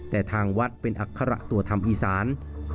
แต่ทางวัดเป็นอัคระตัวธรรมอีสาน